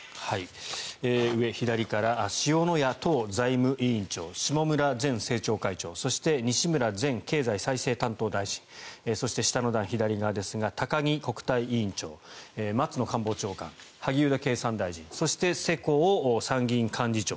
左から、塩谷党財務委員長下村前政調会長そして西村前経済再生担当大臣そして、下の段、左側ですが高木国対委員長松野官房長官、萩生田経産大臣そして世耕参議院幹事長